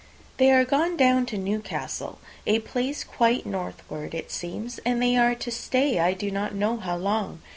They are gone down to Newcastle, a place quite northward it seems, and there they are to stay, I do not know how long.